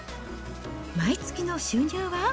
毎月の収入は？